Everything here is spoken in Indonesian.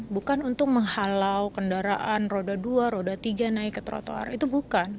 bukan untuk menghalau kendaraan roda dua roda tiga naik ke trotoar itu bukan